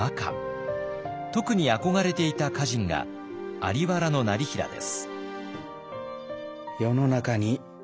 特に憧れていた歌人が在原業平です。